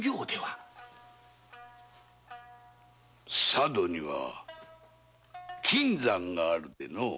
佐渡には金山があるでのう。